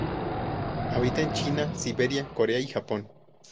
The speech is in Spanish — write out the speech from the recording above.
Habita en China, Siberia, Corea y Japón.